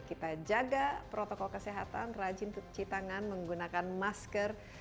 kita jaga protokol kesehatan rajin cuci tangan menggunakan masker